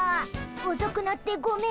おそくなってごめん。